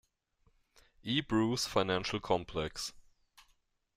E. Bruce financial complex.